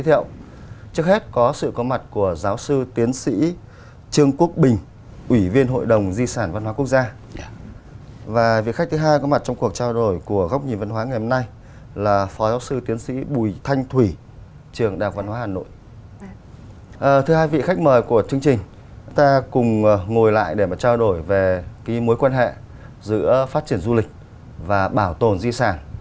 thưa hai vị khách mời của chương trình chúng ta cùng ngồi lại để trao đổi về mối quan hệ giữa phát triển du lịch và bảo tồn di sản